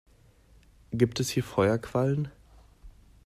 Gibt es hier Feuerquallen?